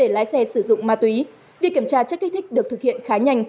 lái xe sử dụng ma túy việc kiểm tra chất kích thích được thực hiện khá nhanh